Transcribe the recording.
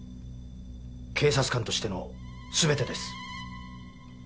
警察官としての全てです。